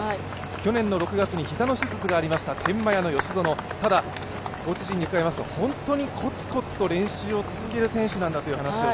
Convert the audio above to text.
去年６月に膝の手術がありました天満屋の吉薗、ただ、コーチ陣に伺いますと本当にこつこつと練習を続ける選手なんだと。